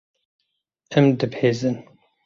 Em dibezin.